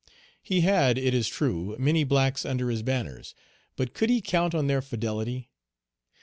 He had, it is true, many blacks under his banners, but could he count on their fidelity?